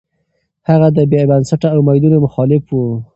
هغه د بې بنسټه اميدونو مخالف و.